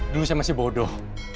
dulu saya masih bodoh